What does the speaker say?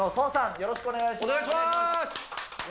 よろしくお願いします。